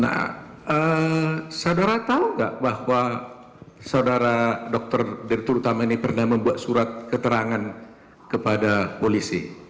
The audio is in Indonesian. nah saudara tahu nggak bahwa saudara dr direktur utama ini pernah membuat surat keterangan kepada polisi